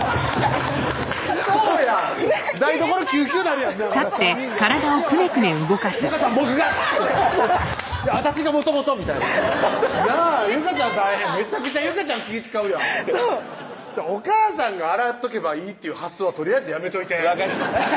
「いや私が」「有果ちゃん僕が」っつって「私がもともと」みたいななぁ有果ちゃん大変めちゃくちゃ有果ちゃん気ぃ遣うやんお母さんが洗っとけばいいっていう発想はとりあえずやめといて分かりました